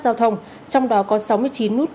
giao thông trong đó có sáu mươi chín nút